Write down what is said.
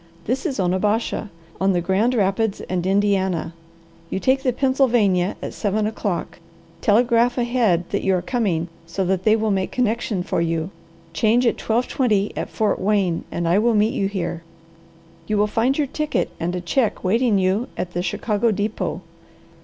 This is Onabasha, on the Grand Rapids and Indiana. You take the Pennsylvania at seven o'clock, telegraph ahead that you are coming so that they will make connection for you, change at twelve twenty at Fort Wayne, and I will meet you here. You will find your ticket and a check waiting you at the Chicago depot.